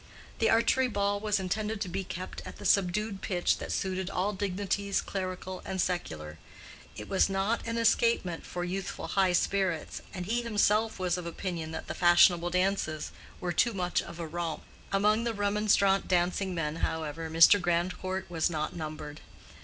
The archery ball was intended to be kept at the subdued pitch that suited all dignities clerical and secular; it was not an escapement for youthful high spirits, and he himself was of opinion that the fashionable dances were too much of a romp. Among the remonstrant dancing men, however, Mr. Grandcourt was not numbered.